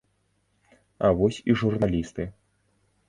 А вось і журналісты.